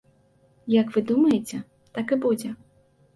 Як вы думаеце, так і будзе.